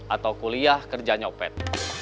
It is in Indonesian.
atau kuliah kerja nyopet